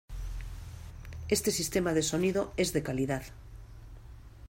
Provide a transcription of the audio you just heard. Este sistema de sonido es de calidad.